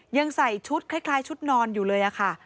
ยังใส่ชุดคล้ายชุดนอนอยู่เลยค่ะ